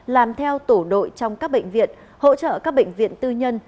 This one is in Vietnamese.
làm theo tổ đội trong các bệnh viện hỗ trợ các bệnh viện tư nhân